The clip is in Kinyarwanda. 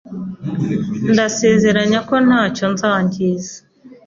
Ndasezeranya ko ntacyo nzangiza.